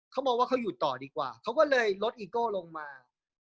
เขามองว่าเขาอยู่ต่อดีกว่าเขาก็เลยลดอีโก้ลงมา